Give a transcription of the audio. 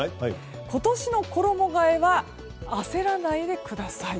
今年の衣替えは焦らないでください。